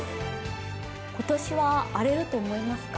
今年は荒れると思いますか？